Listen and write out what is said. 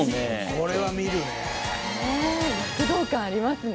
これは見るね。